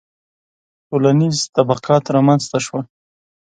• ټولنیز طبقات رامنځته شول